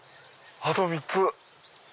あと３つ。